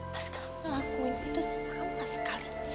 mas gak ngelakuin itu sama sekali